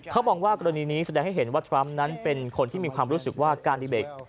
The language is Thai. เขามองว่ากรณีนี้แสดงให้เห็นว่าทรัมป์นั้นเป็นคนที่มีความรู้สึกว่าการดีเบก